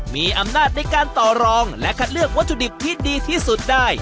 มีอำนาจในการต่อรองและคัดเลือกวัตถุดิบที่ดีที่สุดได้